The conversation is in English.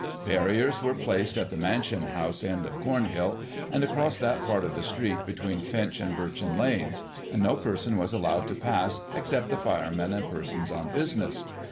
Barriers were plaxred at the Mansion House end of Comhill, and across that part of the street between Finch and Birchin Lanes, and no person was allowed to pass except the firemen and persons on business.